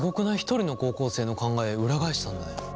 １人の高校生の考えを裏返したんだよ。